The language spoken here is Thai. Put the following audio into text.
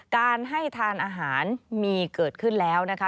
การให้ทานอาหารมีเกิดขึ้นแล้วนะคะ